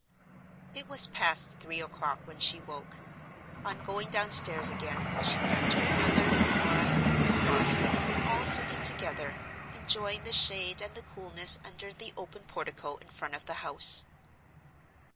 It was past three o'clock when she woke. On going downstairs again she found her mother, Norah and Miss Garth all sitting together enjoying the shade and the coolness under the open portico in front of the house.